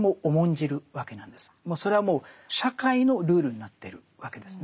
それはもう社会のルールになってるわけですね。